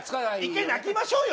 １回泣きましょうよ